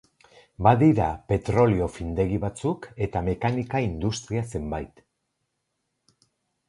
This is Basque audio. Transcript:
Badira petrolio-findegi batzuk eta mekanika-industria zenbait.